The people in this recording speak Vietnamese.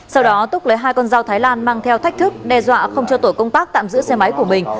sau đó túc lấy hai con dao thái lan mang theo thách thức đe dọa không cho tổ công tác tạm giữ xe máy của mình